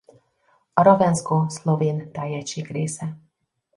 A Ravensko szlovén tájegység része.